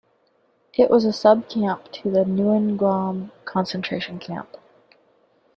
It was a subcamp to the Neuengamme concentration camp.